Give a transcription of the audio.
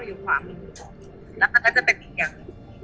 แล้วกันก็จะเป็นอีกอย่าง